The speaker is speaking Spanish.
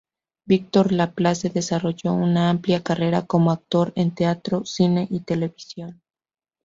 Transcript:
Víctor Laplace desarrolló una amplia carrera como actor en teatro, cine y televisión.